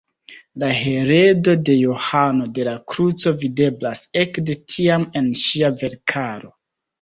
La heredo de Johano de la Kruco videblas ekde tiam en ŝia verkaro.